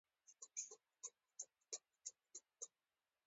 ځاځي اريوب گڼ شمېر مشهور شاعران، ليکوالان او هنرمندان لري.